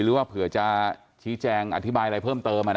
หรือว่าเผื่อจะชี้แจงอธิบายอะไรเพิ่มเติม